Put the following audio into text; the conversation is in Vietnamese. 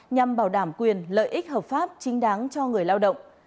nhằm bảo đảm quyền lợi ích hợp pháp chính đáng cho người lao động